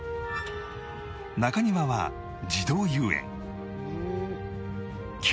中庭は児童遊園